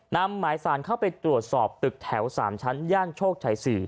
นำหมายสารเข้าไปตรวจสอบตึกแถว๓ชั้นย่านโชคชัย๔